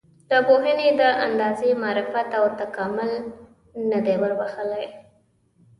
پوهنې دا اندازه معرفت او تکامل نه دی وربښلی.